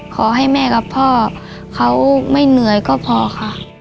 ขอให้แม่กับพ่อเขาไม่เหนื่อยก็พอค่ะ